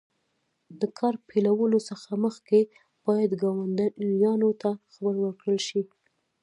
د کار پیلولو څخه مخکې باید ګاونډیانو ته خبر ورکړل شي.